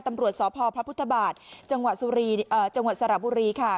ตำรวจสพพระพุทธบาทจังหวัดสุรีจังหวัดสระบุรีค่ะ